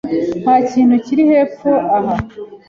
Nta kintu kiri hepfo aha.